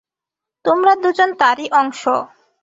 তোমরা দুজন তারই অংশ।